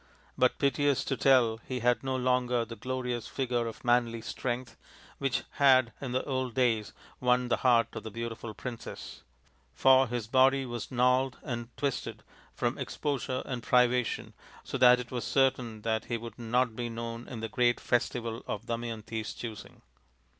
But, piteous to tell, he had no longer the glorious figure of manly strength which had in the old days won the heart of the beautiful princess ; for his body was gnarled and twisted from exposure and privation so that it was certain that he would not be known in the great festival of Dama yanti's choosing.